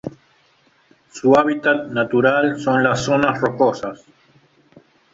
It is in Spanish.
Se hábitat natural son las zonas rocosas.